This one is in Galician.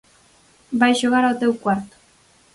Vai xogar ó teu cuarto.